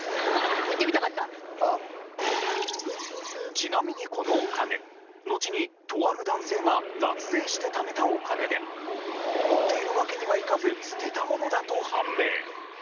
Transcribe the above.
ちなみにこのお金のちにとある男性が脱税してためたお金で持っているわけにはいかず捨てたものだと判明。